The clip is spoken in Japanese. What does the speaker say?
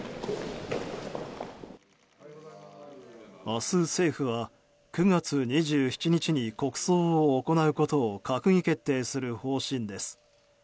明日、政府は９月２７日に国葬を行うことを閣議決定する方針です。